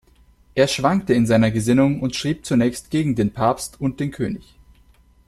Er schwankte in seiner Gesinnung und schrieb zunächst gegen den Papst und den König.